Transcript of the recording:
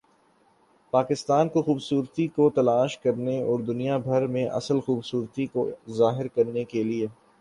پاکستان کی خوبصورتی کو تلاش کرنے اور دنیا بھر میں اصل خوبصورتی کو ظاہر کرنے کے لئے